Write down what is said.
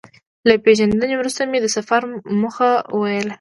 له پېژندنې وروسته مې د سفر موخه وویل.